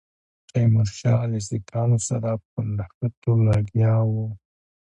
تیمورشاه له سیکهانو سره په نښتو لګیا وو.